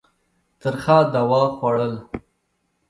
ترخه دوا خوړل.